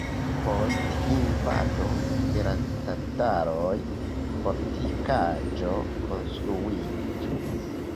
Post invado de la tataroj fortikaĵo konstruiĝis.